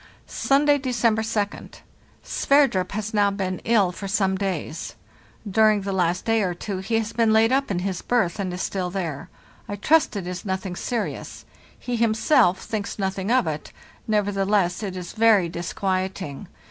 "Sunday, December 2d. Sverdrup has now been ill for some days; during the last day or two he has been laid up in his berth, and is still there. I trust it is nothing serious; he himself thinks nothing of it, nevertheless it is very disquieting.